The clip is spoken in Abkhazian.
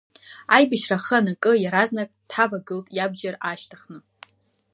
Аибашьра ахы анакы, иаразнак дҳавагылт иабџьар аашьҭыхны.